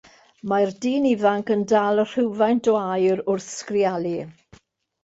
Mae'r dyn ifanc yn dal rhywfaint o aer wrth sgrialu.